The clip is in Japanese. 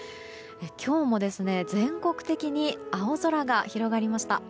今日も全国的に青空が広がりました。